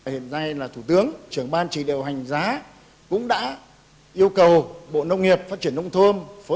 hiện nay là thủ tướng trưởng ban chỉ đạo hành giá cũng đã yêu cầu bộ nông nghiệp phát triển nông thôn